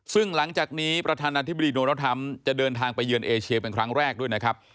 ซึ่งหลังจากนี้ประธานาธิบดีโดนัลดทรัมป์จะเดินทางไปเยือนเอเชียเป็นครั้งแรกด้วยนะครับ